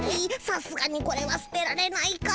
さすがにこれは捨てられないか。